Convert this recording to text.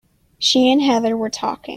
She and Heather were talking.